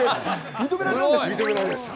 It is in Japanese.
認められました。